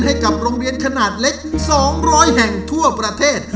ให้กับโรงเรียนขนาดเล็ก๒๐๐แห่งทั่วประเทศ